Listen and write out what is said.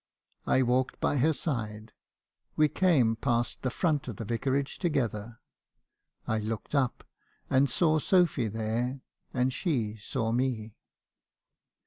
I walked by her side ; we came past the front of the Vicarage together. I looked up , and saw Sophy there , and she saw me.